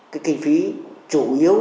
cái kinh phí chủ yếu